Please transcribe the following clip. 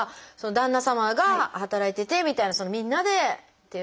旦那様が働いててみたいなみんなでっていう。